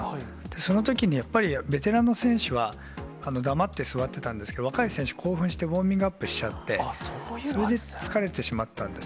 そのときにやっぱり、ベテランの選手は黙って座ってたんですけど、若い選手、興奮してウォーミングアップしちゃって、それで疲れてしまったんです。